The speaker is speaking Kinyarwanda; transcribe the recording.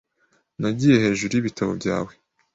Nagiye hejuru y'ibitabo byawe .